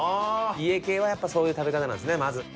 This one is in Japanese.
家系はやっぱそういう食べ方なんですねまず。